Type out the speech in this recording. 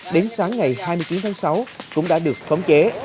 đến sáng ngày hai mươi chín tháng sáu cũng đã được khống chế